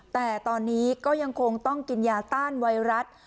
แต่ตอนนี้ก็ยังคงต้องกินยาต้านไวรัส